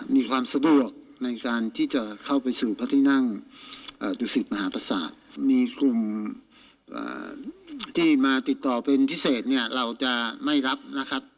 มีกลุ่มที่มาติดต่อเป็นพิเศษเนี่ยเราจะไม่รับนะครับ